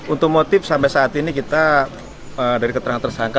untuk motif sampai saat ini kita dari keterangan tersangka